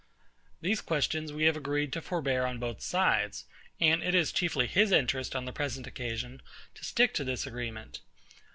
These questions we have agreed to forbear on both sides; and it is chiefly his interest on the present occasion to stick to this agreement.